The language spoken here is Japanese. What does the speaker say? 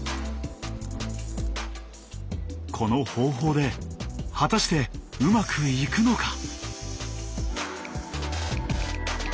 この方法で果たしてうまくいくのか！？